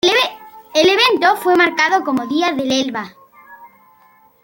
El evento fue marcado como día del Elba.